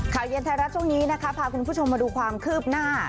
เย็นไทยรัฐช่วงนี้นะคะพาคุณผู้ชมมาดูความคืบหน้า